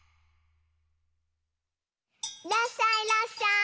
いらっしゃいいらっしゃい！